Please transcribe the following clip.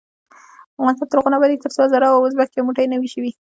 افغانستان تر هغو نه ابادیږي، ترڅو هزاره او ازبک یو موټی نه وي شوي.